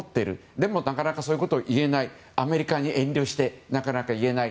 でも、なかなかそういうことをアメリカに遠慮してなかなか言えない。